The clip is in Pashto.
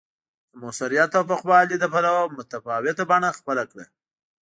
د موثریت او پوخوالي له پلوه متفاوته بڼه خپله کړه